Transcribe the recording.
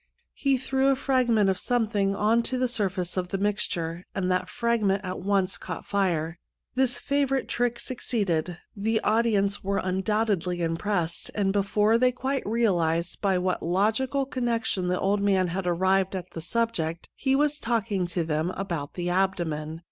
He threw a fragment of something on to the surface of the mixture, and that fragment at once caught fire. This favourite trick succeeded ; the audience were un doubtedly impressed, and before they quite realized by what logical connection the old man had arrived at the subject, he was talking to them about the abdomen.